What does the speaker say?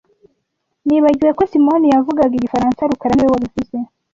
Nibagiwe ko Simoni yavugaga Igifaransa rukara niwe wabivuze